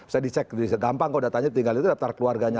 saya dicek gampang kok datanya tinggal itu daftar keluarganya